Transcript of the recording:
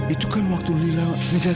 itu kan waktu lila ngejar ngejar aku